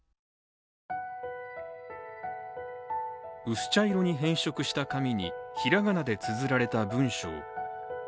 薄茶色に変色した紙にひらがなでつづられた文章。